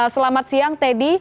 selamat siang teddy